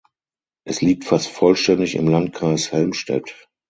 Es liegt fast vollständig im Landkreis Helmstedt.